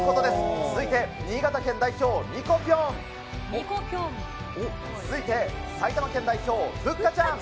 続いて新潟県代表、ミコぴょん。続いて埼玉県代表、ふっかちゃん。